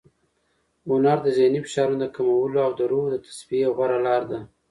هنر د ذهني فشارونو د کمولو او د روح د تصفیې غوره لار ده.